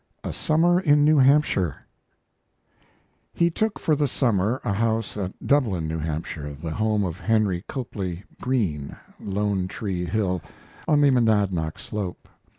A SUMMER IN NEW HAMPSHIRE He took for the summer a house at Dublin, New Hampshire, the home of Henry Copley Greene, Lone Tree Hill, on the Monadnock slope.